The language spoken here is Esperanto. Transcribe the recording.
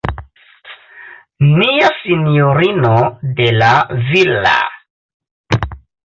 Nia Sinjorino de la Villa.